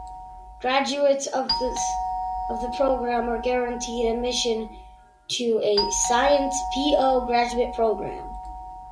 Graduates of the program are guaranteed admission to a Sciences Po graduate program.